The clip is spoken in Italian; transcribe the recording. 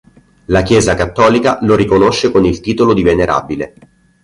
La Chiesa cattolica lo riconosce con il titolo di venerabile.